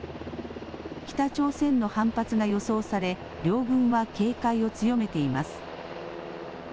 北朝鮮の反発が予想され両軍は警戒を強めています。